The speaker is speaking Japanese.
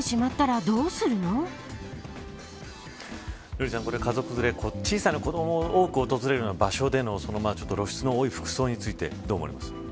瑠麗さん、家族連れ、小さな子どもも多く訪れるような場所での露出の多い服装についてどう思いますか。